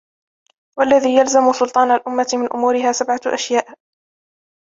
وَاَلَّذِي يَلْزَمُ سُلْطَانَ الْأَمَةِ مِنْ أُمُورِهَا سَبْعَةُ أَشْيَاءَ